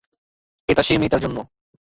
এটা সেই মেয়েটার জন্য।